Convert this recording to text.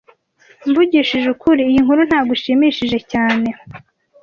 Mvugishije ukuri, iyi nkuru ntago ishimishije cyane cyane